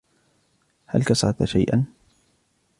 هل كسرت شيئًا ؟